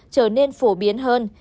trở nên phổ biến hơn